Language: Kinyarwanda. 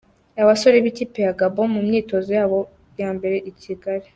Abasore b’ikipe ya Gabon mu myitozo yabo ya mbere i Kigali.